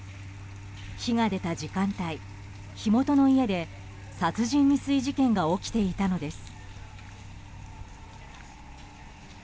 火が出た時間帯、火元の家で殺人未遂事件が起きていたのです。